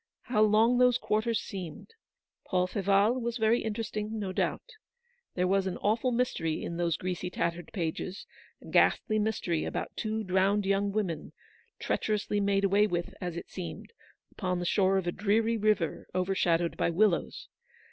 How long those quarters seemed ! Paul Feval was very interesting, no doubt. There was an awful mystery in those greasy tattered pages : a ghastly mystery about two drowned young women, treacherously made away with, as it seemed, upon the shore of a dreary river over shadowed by willows.